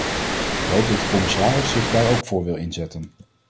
Ik hoop dat de commissaris zich daar ook voor wil inzetten.